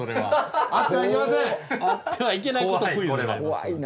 あってはいけないことクイズじゃないです。